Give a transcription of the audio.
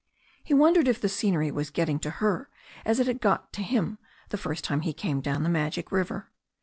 He wondered if the scenery was getting her as it had got him the first time he came down that magic river.